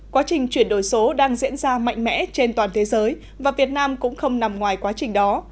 quá trình chuyển đổi số đang diễn ra mạnh mẽ trên toàn thế giới và việt nam cũng không nằm ngoài quá trình đó